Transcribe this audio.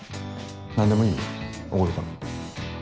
何でもいいよおごるから。